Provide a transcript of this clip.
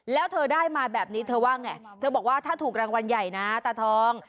แล้วเธอได้มาแบบนี้ถ้าถูกรางวัลใหญ่นะตาทอง